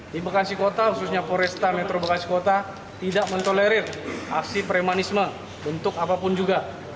di bekasi kota khususnya poresta metro bekasi kota tidak mentolerir aksi premanisme bentuk apapun juga